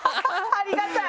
ありがたい。